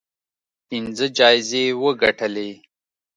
پنځه جایزې وګټلې